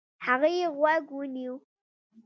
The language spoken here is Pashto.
هغې غوږ ونيو.